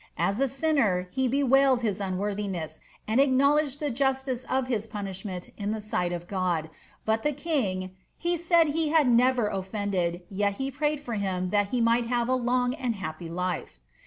As a sinnei, he bewailed his uuworthiness, and a» tnowledged the justice of his punishment in the ei|^it of Gud, but tht Iwiiig " he said he had never olTciided, yet he prayed for him that he mi^ht have a long and happy life."